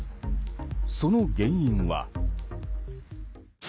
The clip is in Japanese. その原因は。